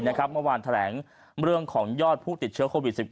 เมื่อวานแถลงเรื่องของยอดผู้ติดเชื้อโควิด๑๙